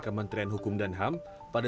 kementerian hukum dan ham pada